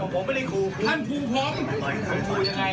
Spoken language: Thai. ผมไม่ได้คูแล้วผมก็บอกว่าผมไม่ได้ยืด